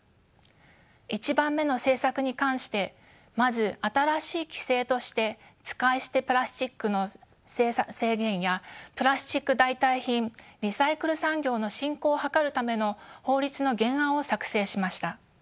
１番目の「政策」に関してまず新しい規制として使い捨てプラスチックの制限やプラスチック代替品リサイクル産業の振興を図るための法律の原案を作成しました。